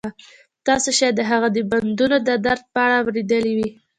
تاسو شاید د هغې د بندونو د درد په اړه اوریدلي وي